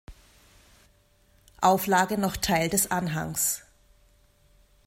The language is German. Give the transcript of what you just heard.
Auflage noch Teil des Anhangs.